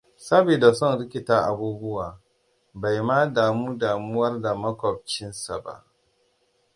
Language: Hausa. Sabida son rikita abubuwa, bai ma damu damuwar da maƙocinsa ba.